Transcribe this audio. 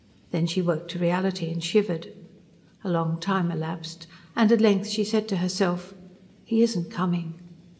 Then she woke to reality and shivered. A long time elapsed, and at length she said to herself: "He isn't coming."